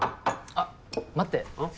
あっ待っん？